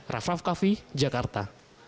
raff raff kaffi jakarta